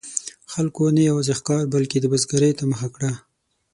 خلکو نه یوازې ښکار، بلکې د بزګرۍ ته مخه کړه.